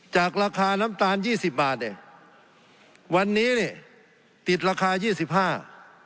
จากราคาน้ำตาล๒๐บาทวันนี้ติดราคา๒๕บาท